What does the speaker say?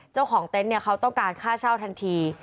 เจ้าของเต็นท์เขาต้องการค่าเช่าทันที